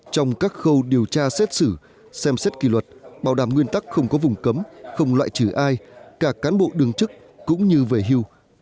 trong các khâu điều tra xét xử xem xét kỷ luật bảo đảm nguyên tắc không có vùng cấm không loại trừ ai cả cán bộ đương chức cũng như về hưu